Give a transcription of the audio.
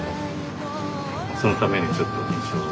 そのためにちょっと印象を。